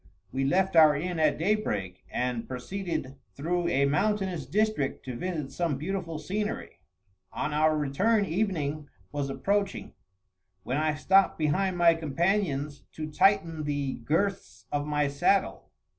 We left our inn at daybreak, and proceeded through a mountainous district to visit some beautiful scenery. On our return evening was approaching, when I stopped behind my companions to tighten the girths of my saddle.